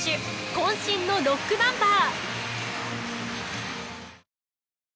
渾身のロックナンバー。